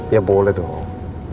ya boleh dong